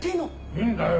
いいんだよ。